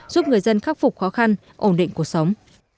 giúp người dân khắc phục khó khăn ổn định cuộc sống